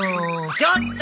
ちょっと！